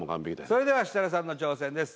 それでは設楽さんの挑戦です